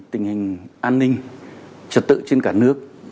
tình hình an ninh trật tự trên cả nước